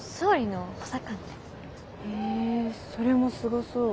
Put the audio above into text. へえそれもすごそう。